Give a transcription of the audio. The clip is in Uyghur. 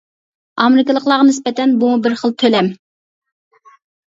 ئامېرىكىلىقلارغا نىسبەتەن بۇمۇ بىر خىل تۆلەم.